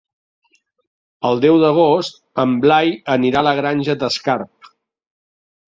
El deu d'agost en Blai anirà a la Granja d'Escarp.